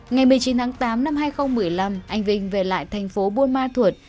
ngày một mươi chín tháng tám năm hai nghìn một mươi năm anh vinh về lại thành phố buôn ma thuột